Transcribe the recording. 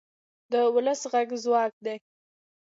د ولس غږ ځواک دی